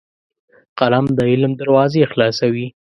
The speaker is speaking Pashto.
قلم د علم دروازې خلاصوي